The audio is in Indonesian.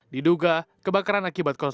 diduga kebakaran akibat konsumsi